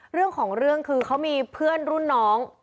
เรื่องของเรื่องคือเขามีเพื่อนรุ่นน้อง